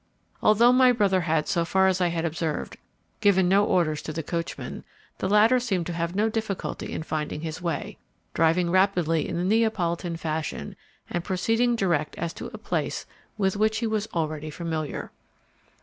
Although my brother had, so far as I had observed, given no orders to the coachman, the latter seemed to have no difficulty in finding his way, driving rapidly in the Neapolitan fashion, and proceeding direct as to a place with which he was already familiar.